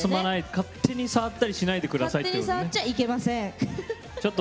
勝手に触ったりしないでくださいと。